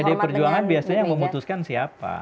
pd perjuangan biasanya memutuskan siapa